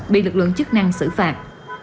bị lực lượng chức năng xử phạt